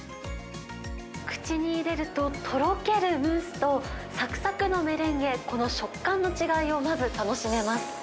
口に入れると、とろけるムースと、さくさくのメレンゲ、この食感の違いをまず楽しめます。